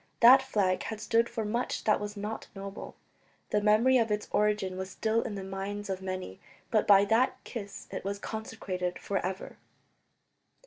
That flag had stood for much that was not noble; the memory of its origin was still in the minds of many. But by that kiss it was consecrated for ever.